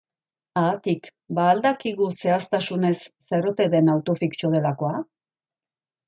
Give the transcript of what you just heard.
Haatik, ba al dakigu zehaztasunez zer ote den autofikzioa delakoa?